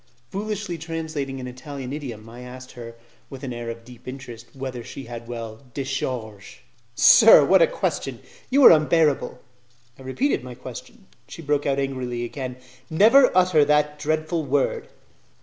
Foolishly translating an Italian idiom, I asked her, with an air of deep interest, whether she had well 'decharge'? "Sir, what a question! You are unbearable." I repeated my question; she broke out angrily again. "Never utter that dreadful word."